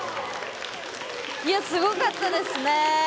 いやすごかったですね。